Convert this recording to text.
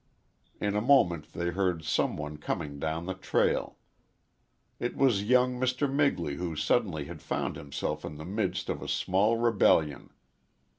In a moment they heard some one coming down the trail. It was young Mr. Migley who suddenly had found himself in the midst of a small rebellion.